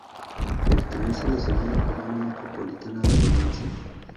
Pertenece a la segunda corona metropolitana de Valencia.